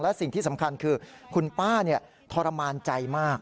และสิ่งที่สำคัญคือคุณป้าทรมานใจมาก